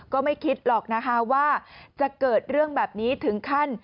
ก็ไม่คิดหรอกนะคะว่าจะเกิดเรื่องแบบนี้ถึงขั้น